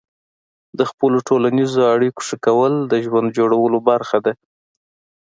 د خپلو ټولنیزو اړیکو ښه کول د ژوند جوړولو برخه ده.